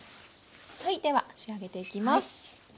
はいでは仕上げていきます。